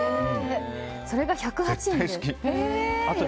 それが１０８円。